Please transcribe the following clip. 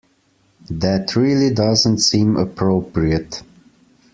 That really doesn't seem appropriate.